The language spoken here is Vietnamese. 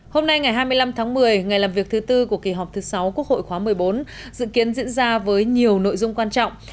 hôm nay ngày hai mươi năm tháng một mươi ngày làm việc thứ tư của kỳ họp thứ sáu quốc hội khóa một mươi bốn dự kiến diễn ra với nhiều nội dung quan trọng